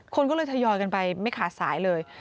คนก็เลยทยอยกันไปไม่ขาดสายเลย